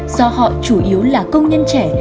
do họ chủ yếu là công nhân trẻ